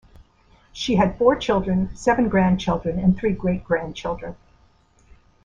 She had four children, seven grandchildren and three great-grandchildren.